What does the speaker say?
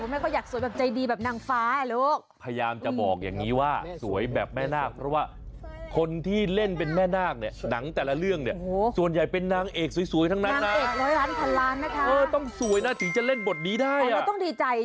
มันจะดีอยู่แล้วลูกอ๊าจริง